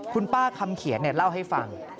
คุณป้าคำเขียนเล่าให้ฟัง